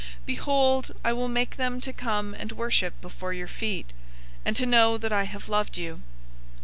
Behold, I will make them to come and worship before your feet, and to know that I have loved you.